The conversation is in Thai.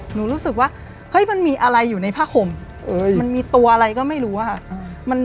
รู้สึกว่าเฮ้ยมันมีอะไรอยู่ในผ้าห่มมันมีตัวอะไรก็ไม่รู้อะค่ะ